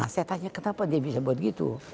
saya tanya kenapa dia bisa buat gitu